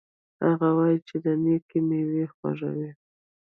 هغه وایي چې د نیکۍ میوه خوږه وي